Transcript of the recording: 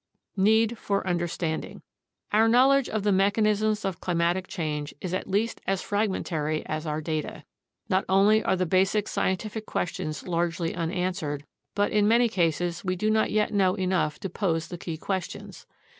Need for Understanding Our knowledge of the mechanisms of climatic change is at least as fragmentary as our data. Not only are the basic scientific questions largely unanswered, but in many cases we do not yet know enough to pose the key questions.